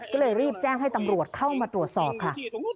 ก็เลยรีบแจ้งให้ตำรวจเข้ามาตรวจสอบค่ะ